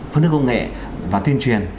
phân thức công nghệ và tiên truyền